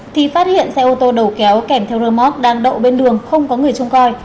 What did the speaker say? thì phát hiện xe ô tô đầu kéo kèm theo rơ móc đang đậu bên đường không có đối tượng